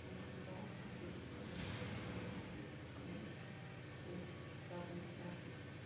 Munro cumplió sus órdenes exitosamente y Cameron fue ejecutado en Perth.